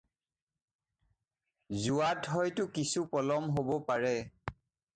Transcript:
যোৱাত হয়তো কিছু পলম হ'ব পাৰে।